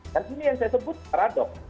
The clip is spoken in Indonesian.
dan ini yang saya sebut paradoks